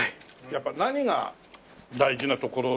やっぱ何が大事なところ？